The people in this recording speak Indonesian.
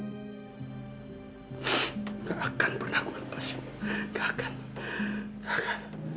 enggak akan pernah aku lepasin enggak akan enggak akan